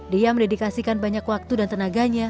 dia mendedikasikan banyak waktu dan tenaganya